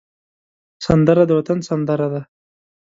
سندره د وطن سندره ده